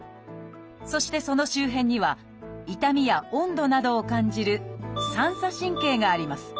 そしてその周辺には痛みや温度などを感じる「三叉神経」があります。